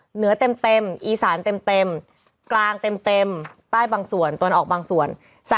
เหนือเต็มอีสานเต็มกลางเต็มใต้บางส่วนตะวันออกบางส่วน